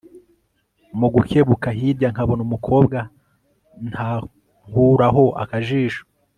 mugukebuka hirya nkabona umukobwa ntankuraho akajisho